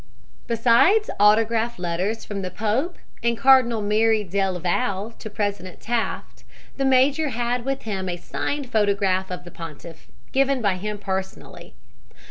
Besides autograph letters from the Pope and Cardinal Merry del VaI to President Taft, the major had with him a signed photograph of the Pontiff, given by him personally.